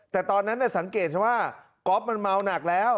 แต่ตอนนั้นสังเกตว่าก๊อฟมันเมาหนักแล้ว